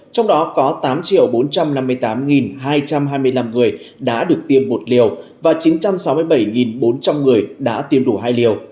trong đó có tám bốn trăm năm mươi tám hai trăm hai mươi năm người đã được tiêm một liều và chín trăm sáu mươi bảy bốn trăm linh người đã tiêm đủ hai liều